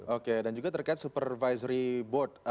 oke dan juga terkait supervisory board